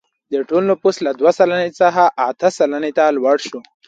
د ټول نفوس له دوه سلنې څخه اته سلنې ته لوړ شو.